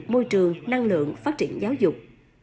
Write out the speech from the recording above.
môi trường năng lượng phát triển giáo dục